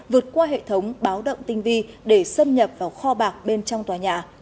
vượt qua hệ thống báo động tinh vi để xâm nhập vào kho bạc bên trong tòa nhà